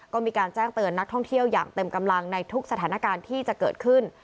ก็มีการแจ้งเตือนนักท่องเที่ยวอย่างเต็มกำลังในทุกสถานการณ์ที่จะเกิดขึ้น